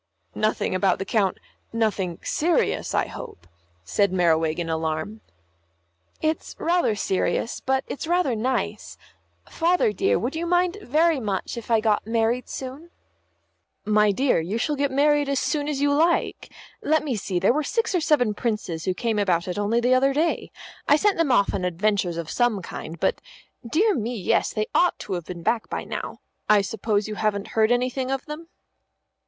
"Nothing about the Coun nothing serious, I hope," said Merriwig, in alarm. "It's rather serious, but it's rather nice. Father, dear, would you mind very much if I got married soon?" "My dear, you shall get married as soon as you like. Let me see, there were six or seven Princes who came about it only the other day. I sent them off on adventures of some kind, but dear me, yes, they ought to have been back by now. I suppose you haven't heard anything of them?"